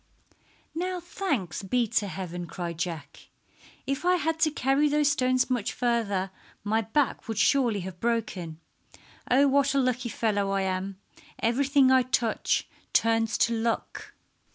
"Now thanks be to heaven!" cried Jack. "If I had had to carry those stones much farther my back would surely have broken. Oh, what a lucky fellow I am! Everything I touch turns to luck."